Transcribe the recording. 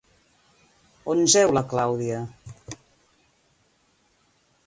On jeu la Clàudia?